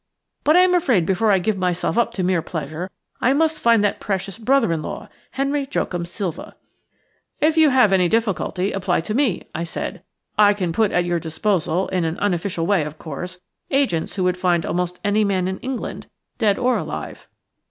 But I am afraid before I give myself up to mere pleasure I must find that precious brother in law, Henry Joachim Silva." "If you have any difficulty apply to me," I said. "I can put at your disposal, in an unofficial way, of course, agents who would find almost any man in England, dead or alive."